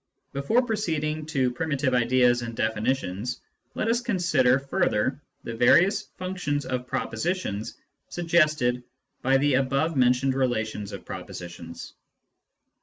Before proceeding to primitive ideas and definitions, let us consider further the various functions of propositions suggested by the above mentioned relations of propositions.